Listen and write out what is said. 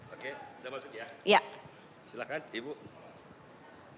oke sudah masuk ya